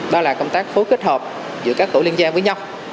đó là công tác phối kết hợp giữa các tổ liên gia với nhau